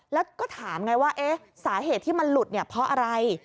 แล้วก็ถามไงว่าสาเหตุที่มันหลุดเนี่ยเพราะอะไร